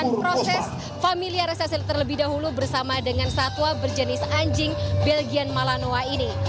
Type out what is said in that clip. karena dalam hal ini mereka harus berhasil terlebih dahulu bersama dengan satwa berjenis anjing belgian malanoa ini